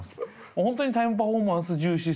本当にタイムパフォーマンス重視世代と。